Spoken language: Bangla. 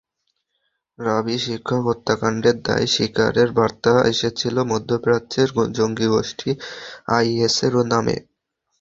রাবি শিক্ষক হত্যাকাণ্ডের দায় স্বীকারের বার্তা এসেছিল মধ্যপ্রাচ্যের জঙ্গিগোষ্ঠী আইএসের নামে।